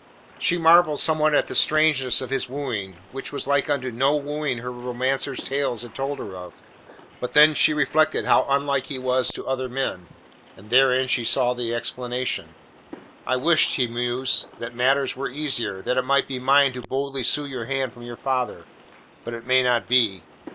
She marvelled somewhat at the strangeness of his wooing, which was like unto no wooing her romancer's tales had told her of, but then she reflected how unlike he was to other men, and therein she saw the explanation. "I wish," he mused, "that matters were easier; that it might be mine to boldly sue your hand from your father, but it may not be.